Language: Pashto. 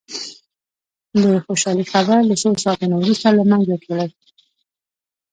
د خوشالي خبر له څو ساعتونو وروسته له منځه تللي.